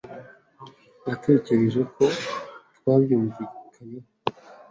Natekereje ko twabyumvikanyeho.